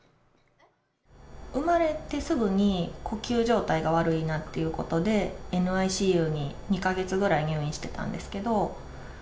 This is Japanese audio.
生まれてすぐに呼吸状態が悪いなっていうことで、ＮＩＣＵに２か月ぐらい入院してたんですけど。